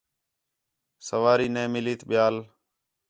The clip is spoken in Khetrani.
سواری نے مِلیئت ٻِیال